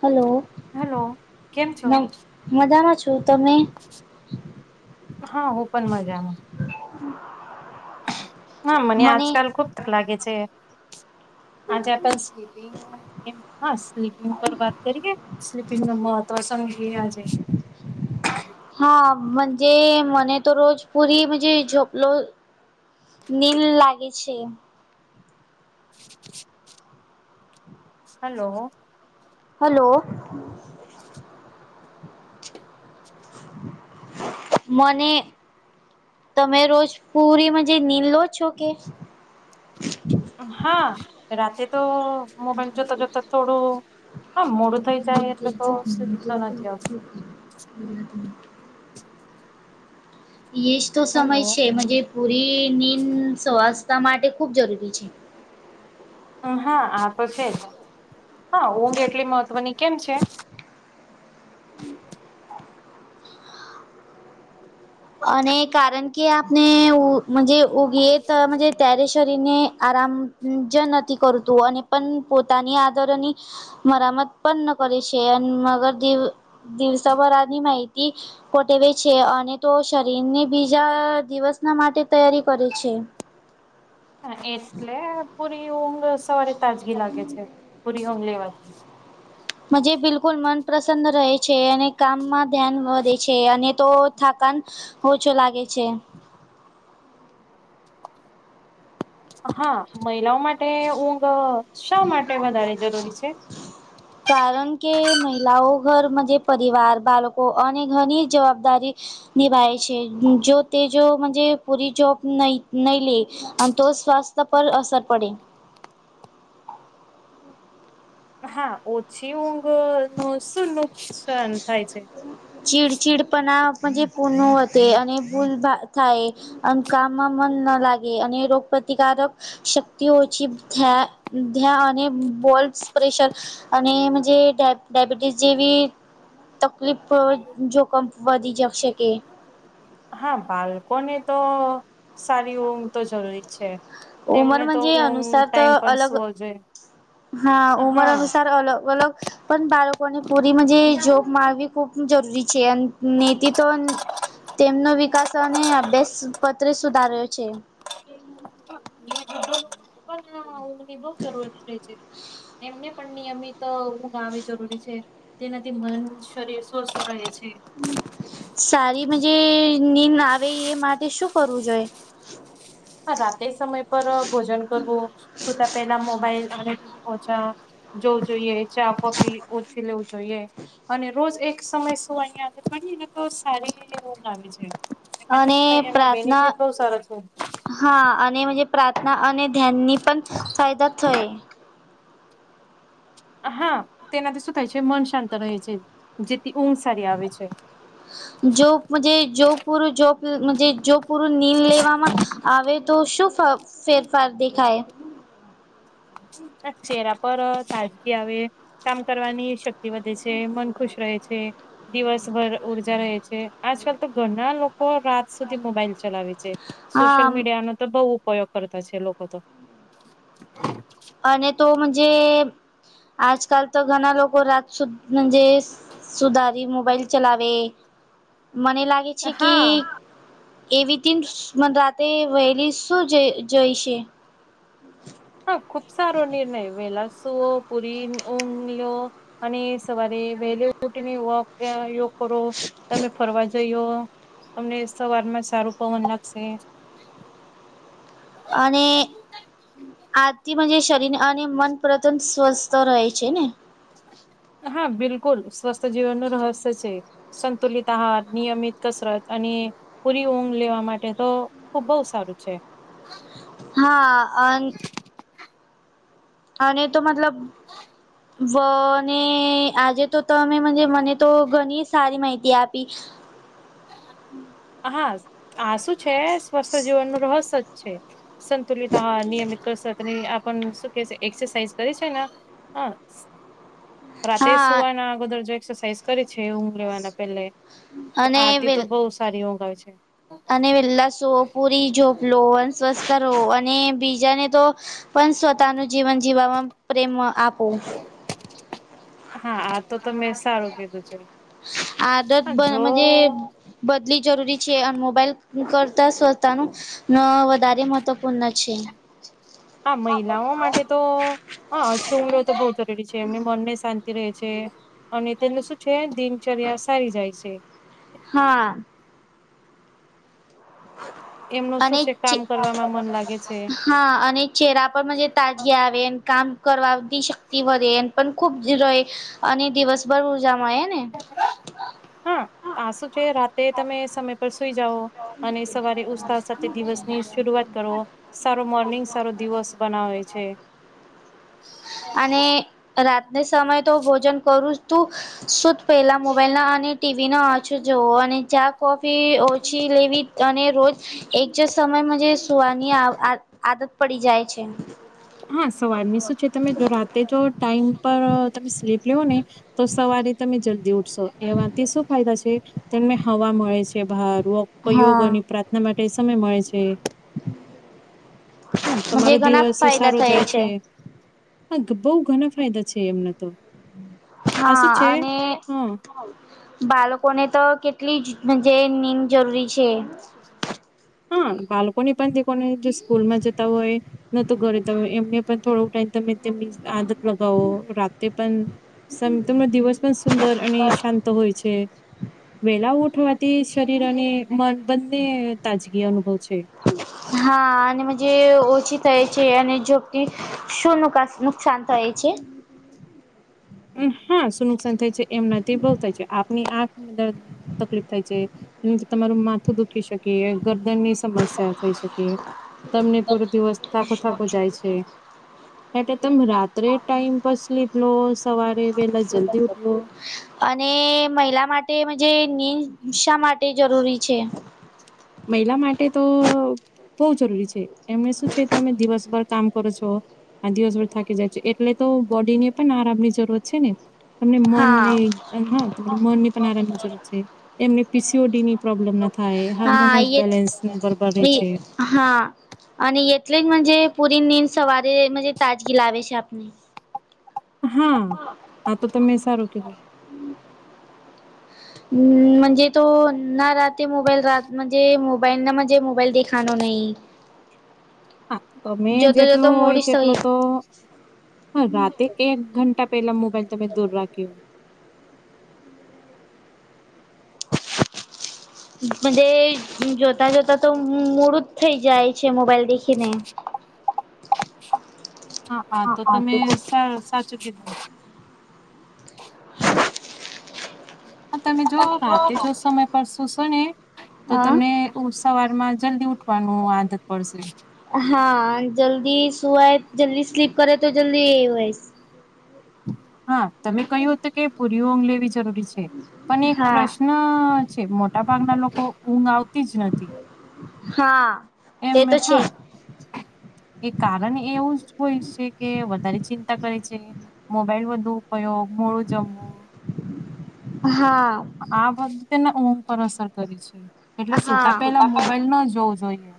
હાલો, hello નઈ. મજામાં છું તને? હા હું પણ મજામાં. હા મને આજકાલ ખુબ તક લાગે છે. આજે આપ સ્લીપિંગ હસ. સ્લીપિંગ પર વાત કરીએ, સ્લીપિંગ નું મહત્વ સમજી આજે. હા મજે મને તો રોજ પૂરી પુરી જોપલો. નીલ લાગે છે. હાલો. હાલો. મને તમે રોજ પૂરીમાં જે નીલો છો કે? હા રાતેે તો મોબાઈલ જોતા જોતા થોડું હા મોડું થઈ જાય એટલે તો સ્લીપ તો નથી આવતી. [inaudible] એજ તો સમય હેલો છે. મજે પૂરી નીંદ સ્વાસતા માટે ખૂબ જરૂરી છે. હા આ તો છે જ. હા ઊંઘ એટલી મહત્વની કેમ છે? અને કારણ કે આપને ઉજ મજે ઉગીએ તો મજે ત્યારે શરીર ને આરામ જ નથી કરતું. અને પણ પોતાની આદરની મરામત પણ ન કરી છે. અને મગર દિવસભરાની માહિતી કોટેવે છે અને તો શરીરને બીજા દિવસના માટે તૈયારી કરે છે. હા એટલે પૂરી ઊંઘ સવારે તાજગી લાગે છે. પૂરી ઊંઘ લેવાથી. મજે બિલકુલ મન પ્રસન્ન રહે છે. અને કામમાં ધ્યાન વધે છે. અને તો થાકાન ઓછો લાગે છે. હા મહિલાઓ માટે ઊંઘ શા માટે વધારે જરૂરી છે? [inaudible] કારણ કે મહિલાઓ ઘરમાં જે પરિવાર, બાળકો અને ઘરની જવાબદારી. નિભાય છે. જો તે જોજ મજે પૂરી જોબ ન નહી લે. અને તો સ્વાસ્થ્ય પર અસર પડે. હા ઓછી ઊંઘ નું શું નુકસાન થાય છે? ચીડચીડપના મજે પૂનું અને ભૂલ [unintelligible] કામમાં મન ના લાગે. અને રોગ પ્રતિકારક શક્તિ ત ઓછી [unintelligible] અને બોલ્સ પ્રેશર અને મજે ડાયબિટીસ જેવી તકલીફ જોખમ વધી જશેકે. હા બાળકોને તો સારી ઊઘ તો જરૂરી છે. ઉંમર એમને તો ઉમ ટાઈમ પર સુવો જોઈએ. હા ઉમર અનુસાર અલગ અલગ પણ બાળકોને પૂરી મજે જોબ માળવી ખૂબ જરૂરી છે. અને નેતી તો. તેમનો વિકાસ અને અભ્યાસ પત્ર સુધાર્યો છે. બી લોકોને પણ ઊંઘની બહુ જરૂરત રહે છે એમને પણ નિયમિત ઉંધ આવવી જરૂરી છે. તેનાથી મન શરીર સ્વસ્થ રહે છે. સારી મજે નીંદ આવે એ માટે, શું કરવું જોઈએ? હ રાતે સમય પર ભોજન કરવું, સુતા પેલા મોબાઈલ અને ટીવી ઓછા જોવું જોઈએ. ચા, કોફી ઓછી લેવું જોઈએ. અને રોજ એક એક સમય સુવાની આદત પાડી એને તો સારી ઉંધ આવી જાય એમાંથી અને શું થાય એના પ્રાર્થના બેનિફિટ બહુ સારો છે. હા અને મજે પ્રાર્થના અને ધ્યાનની પણ ફાયદા થય. હા તેનાથી શું થાય છે. મન શાંત રહે છે. જેથી ઊંઘ સારી આવે છે. જો મજે જો પૂરું જો જો પૂરું નીંદ લેવામાં. આવે તો શું ફર ફેરફાર દેખાય? ના ચહેરા પર તાજગી આવે. કામ કરવાની શક વધે છે. મન ખુશ રહે છે. દિવસભર ઉર્જા રહે છે. આજકાલ તો ઘણા લોકો રાત સુધી મોબાઈલ ચલાવે છે. સોશિયલ હા મીડિયાનો તો બહુ ઉપયોગ કરતા છે લોકો તો. અને તો મજે આજકાલ તો ઘણા લોકો રાત સુ મજે સુધારી મોબાઈલ ચલાવે મને લાગે છે કે હા એવીધી મન રાતે વહેલી શું જઈ જઈશે. હા, ખુબ સારો નિર્ણય વેલા સુઓ પુરી ઊંગલ લો અને સવારે વહેલી ઉઠી વોક અહ યોગ કરો તમે ફરવા જઈયો તમને સવારમાં સારું પવન લાગશે. અને આરતીમાં જે શરીર અને મન પ્રતંત સ્વસ્થ રહે છે ને? હા, બિલકુલ સ્વસ્થ જીવનનું રહસ્ય છે. સંતુલિત આહાર નિયમિત કસરત અને પૂરી ઊંઘ લેવા માટે તો ખુબ બઉ સારું છે. હા, અન અને તો મતલબ વ ને આજે તો તમે મને તો ઘણી સારી માહિતી આપી. હા, આ શું છે સ્વસ્થ જીવનનું રહસ છે સંતુલિત અહાર નિયમિત કસરતની આપ શું કે છે એક્સરસાઇઝ કરી છે ને હા. રાતે હા સુવાના અગદર જો એક્સરસાાઈઝ કરી છે ઊંઘ લેવાના પેલે. તો અને આતી તો બહુ સારી ઊંઘ આવે છે. અને વેલ્લા સુઓ પુરી જો લોન સ્વસ્થો અને બીજાને તો પણ સ્વતાનું જીવન જીવામાં પ્રેમમાં આપો. હા, આ તો તમે સારું કીધું છે. આદત હા બ જો મજે બદલી જરૂરી છે અને મોબાઈલ કરતા સ્તાનું ના વધારે મહત્વપૂર્ણ ના છે. હા, મહિલાઓ માટે તો હા છુંડ તો બહુ જરૂરી છે એમની મનને શાંતિ રહે છે. અને તેનું શું છે દિનચર્યા સારી જાય છે. હા. એમનું શું અને છે કે કામ કરવામાં મન લાગે છે હા અને ચહેરા પર મનજે તાજી આવે ને કામ કરવાધ શક્તિ વધેન પણ ખૂબ જ રહે અને દિવસભર ઉર્જામાં એ ને હા આ શું છે રાતે તમે સમય પર સુઈ જાઓ. અને સવારે ઉત્સાહ સાથે દિવસની શરૂઆત કરો સારો મોર્નિંગ સારો દિવસ બનાવે છે. અને રાતને સમય તો ભોજન કરું જ તું શુધ પહેલા મોબાઈલના અને ટી વી નો આછો જવો અને ચા કોફી ઓછી લેવી અને રોજ એક જ સમયમાં જે સુવાની આવ આ આદત પડી જાય છે. હા સવારની શું છે તમે જો રાતે જો ટાઈમ પર તમે સ્લીપ લેવો ને તો સવારે તમે જલ્દી ઉઠશો એવાથી શું ફાયદા છે તને હવા મળે છે બાર યોગની પ્રાર્થના માટે સમય મળે છે. હા તમારો મજે ઘણા દિવસ સસ ફાયદા તો જાએ થયા છે હા ઘ ઘણા ફાયદા છે એમને તો. આ શું હા છે અને હા બાલકો ને તો કેટલી જ જે નીમ જરૂરી છે. હમ્મ, બાળકોની પણ તે કોને જો સ્કૂલમાં જતા હોય એ. ન તો ઘરે તો એમને પણ થોડો ટાઈમ તમે તેમની આદક લગાવો રાતે પણ સંતનો દિવસ પણ સુંદર અને શાંત હોય છે વેલા ગોઠવા તી શરીર અને મન બંને તાજગી અનુભવ છે. હા અને મુજે ઓછી થાય છે અને જો કે શું નુ નુકસાન થાય છે? હા સુું નુકસાન થાય છે એમ નથી બોલતા છે આપની આ તકલીફ થાય છે એ તમારું માથું દુખી શકે, ગરદન ની સમસ્યા થઈ શકે, તમને પૂરો દિવસ થાકો થાકો જાય છે. એટલે તમે રાત્રે ટાઈમ બસલી પ્લોસ [inaudible] અને મહિલા માટે જે નિશા માટે જરૂરી છે. મહિલા માટે તો બહ જરૂરી છે એમને શું છે તમે દિવસભર કામ કરો છો, દિવસભર થાકી જાય છો એટલે તો બોડી ને પણ આરામની જરૂરત છે ને. તમને હા મનની હામને મનની પણ આરામની જરૂર છે એમને પી સી ઓ ડી ની પ્રોબ્લેમ ના થાય, હા હાર્મોનસ બેલેન્સ બરાબર રહે એ છે. હા અને એટલે નું જ પૂરી નીંદ સવારે તાજગી લાવે છે આપને. હા આ તો તમે સારું કીધો. હમ્મ, મજે તો ના રાતે મોબાઈલ રાતજ મોબાઈલ નાજ મોબાઈલ દેખાનો નહીં. હ હા તો મે જેટલો હોય મોડી તેટલો સઈ તો હા રાતે એક ઘંટા પેલા મોબાઈલ તમે દૂર રાખ્યો. હ મજે જોતા જોતા તો મૂડું જ થઈ જાય છે મોબાઈલ દેખીને. હા હા તો તો તમે સાચું કીધું. [inaudible] હ તમે જો રાતે જો સમય પર સુુંશો ને તો હા તમે સવારમાં જલ્દી ઉઠવાનું આદત પડશે. હા જલ્દી સુવાય, જલ્દી સ્લીપ કરે તો જલ્દી એવ હા તમે કહ્યું હતું કે પુરીઓ ઊંઘ લેવી જરૂરી છે, પણ એક હા પ્રશ્ન ન છે મોટા ભાગના લોકો ઊંઘ આવતી જ નથી. હા. તે એમને તો છે હા. એ કારણ એવું જ હોય છે કે વધારે ચિંતા કરે છે. મોબાઈલ બધું ઉપયોગ, મોડું જમવું. હા. આ વધતેને ઊંઘ પર અસર કરી છે. એટલે સુતા હા હા પેલા મોબાઈલ ન જોવું જોઈએ.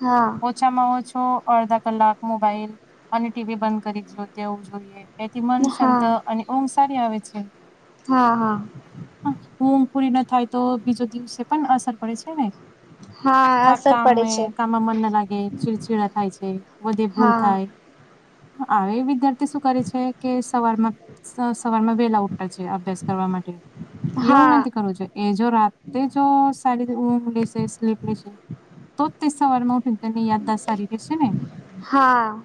હા. ઓછામાં ઓછો અડધા કલાક મોબાઈલ અને ટી વી બંધ કરી દયો તેવું જોઈએ. એથી મન હા શાંત અને ઓમ સારી આવે છે. હા, હા. હા ઊંઘ પૂરી ના થાય તો બીજો દિવસે પણ અસર પડે છે ને. હા. થા અસર કામ પડે છે કામમાં મન ના લાગે ચીડછીડા થાય છે, વધે ભૂલ હા થાય. આવે એ વિદ્યાર્થી શું કરે છે કે સવારમાં સ સવાર માં વેલા ઉઠાતા છે અભ્યાસ કરવા માટે એવું હા નથી કરવું જોઈ એ જો રાતે જો સાડી રીતે ઊઘ લેશે સ્લીપ લેશે તોજ તે સવારમાં ઉઠીને તેની યાદાર સારી રહેશે ને હા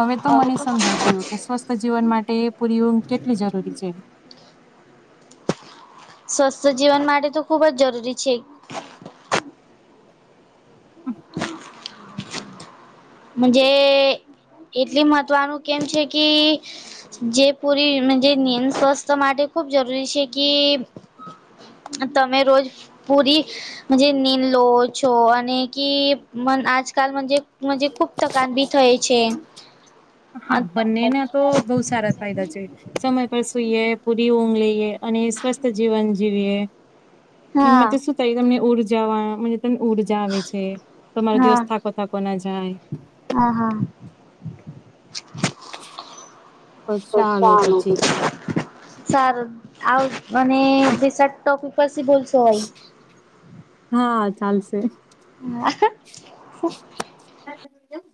હવે તો મને સમજાય ગયું કે સ્વસ્થ જીવન માટે એ પૂરી ઊંઘ કેટલી જરૂરી છે સ્વસ્થ જીવન માટે તો ખૂબ જ જરૂરી છે મહનજે એટલી મહત્વનું કેમ છે કે જે પૂરી મહનજે નિયમ સ્વસ્થ માટે ખૂબ જરૂરી છે કે તમે રોજ પૂરી મહનજે નીંદ લો છો અને કે મહનજે આજકાલ મહનજે ખુબ થકાન ભી થઇ છે હા બંનેના તો બહુ સારા ફાયદા છે સમય પર સુઈએ પૂરી ઊંઘ લઈએ અને સ્વસ્થ જીવન જીવીએ હા એમાંથી શું થાય તમને ઉરજાવા વા મહનજે ઉર્જા આવે છે તમારો હા દિવસ થાકો થાકો ના જાય હા હા તો ચાલો કુશાનો પછી [unintelligible] સારું આવ અને ટીસટ તો પસી બોલશો ઓય હા ચાલશે હા